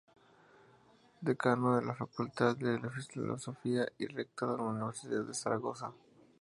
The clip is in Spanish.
Decano de la Facultad de Filosofía y Rector de Ia Universidad de Zaragoza.